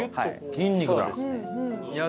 筋肉だ。